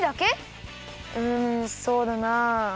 うんそうだな。